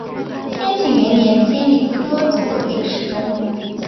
天启元年迁礼科左给事中。